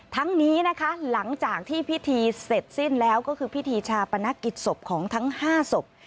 ทั้งนี้นะคะหลังจากที่พิธีเสร็จสิ้นแล้วก็คือพิธีชาปนกิจศพของทั้ง๕ศพ